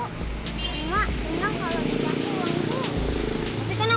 aku tau enggak senang kalau dikasih uang tuh